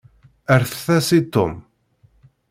Erret-as i Tom.